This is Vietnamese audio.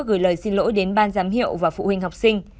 gửi lời xin lỗi đến ban giám hiệu và phụ huynh học sinh